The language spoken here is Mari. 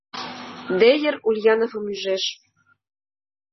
Дейер Ульяновым ӱжеш.